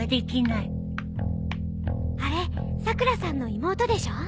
あれさくらさんの妹でしょ？